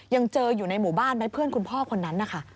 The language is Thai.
ยังเจออยู่ในหมู่บ้านไหมเพื่อนคุณพ่อคนนั้นนะคะ